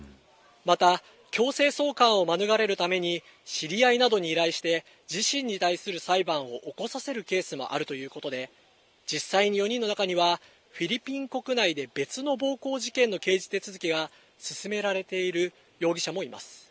また、強制送還を免れるために、知り合いなどに依頼して、自身に対する裁判を起こさせるケースもあるということで、実際に４人の中にはフィリピン国内で別の暴行事件の刑事手続きが進められている容疑者もいます。